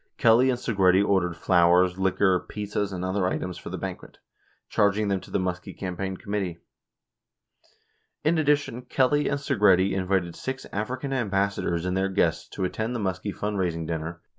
Kelly and Segretti ordered flowers, liquor, pizzas and other items for the banquet, charging them to the Muskie campaign committee. In addition, Kelly and Segretti invited six African ambassadors and their guests to attend the Muskie fund 15 10 Hearings 3998.